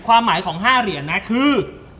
ความหมายของ๕เหรียญนะคือ